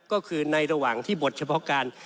ก็คือในระหว่างที่บทเฉพาะการ